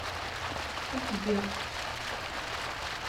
Ad t-geɣ.